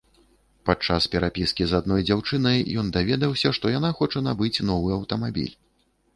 Падчас перапіскі з адной дзяўчынай ён даведаўся, што яна хоча набыць новы аўтамабіль.